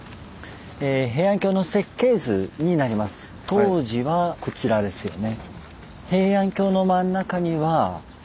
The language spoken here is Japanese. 東寺はこちらですよね。